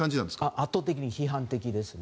圧倒的に批判的ですね。